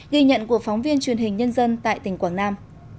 ghi nhận của phóng viên truyền hình nhân dân tại tỉnh quảng nam